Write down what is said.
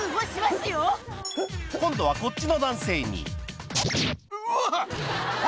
今度はこっちの男性にうわは！